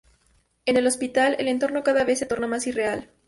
En el hospital, el entorno cada vez se torna más irreal.